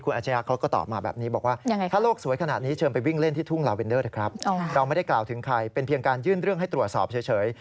อาชญาเขาก็ตอบมาแบบนี้บอกว่าถ้าโลกสวยขนาดนี้เชิญไปวิ่งเล่นที่ทุ่งลาเวนเดอร์เถอะครับเราไม่ได้กล่าวถึงใครเป็นเพียงการยื่นเรื่องให้ตรวจสอบเฉย